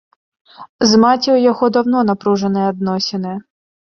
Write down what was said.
З маці ў яго даўно напружаныя адносіны.